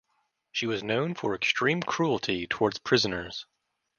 She was known for extreme cruelty towards prisoners.